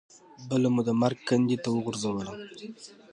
بله مو د مرګ کندې ته وغورځوله.